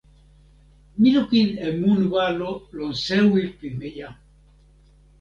mi lukin e mun walo lon sewi pimeja.